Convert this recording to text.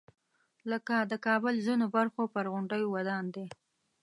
لکه د کابل ځینو برخو پر غونډیو ودان دی.